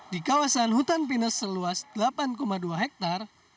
di kawasan hutan pinus seluas delapan dua hektare